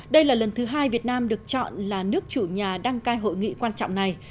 đây là lần thứ hai việt nam được chọn là nước chủ nhà đăng cai hội nghị quan trọng này